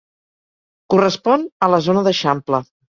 Correspon a la zona d'eixample.